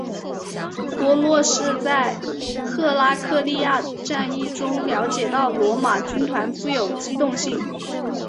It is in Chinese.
皮洛士在赫拉克利亚战役中了解到罗马军团富有机动性。